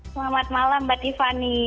selamat malam mbak tiffany